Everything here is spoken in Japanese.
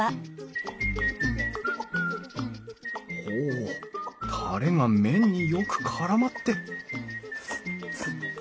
ほうタレが麺によくからまって！